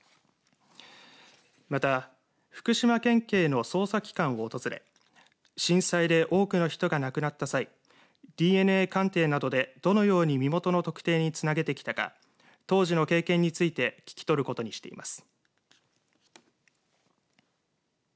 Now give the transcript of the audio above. また、福島県警の捜査機関を訪れ震災で多くの人が亡くなった際ＤＮＡ鑑定などでどのように身元の特定につなげてきたか当時の経験について聞き取ることにしています。